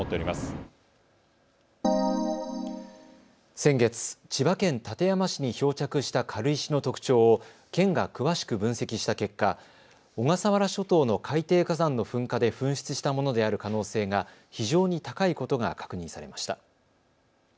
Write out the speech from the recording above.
先月、千葉県館山市に漂着した軽石の特徴を県が詳しく分析した結果、小笠原諸島の海底火山の噴火で噴出したものである可能性が非常に高いことが確認されました。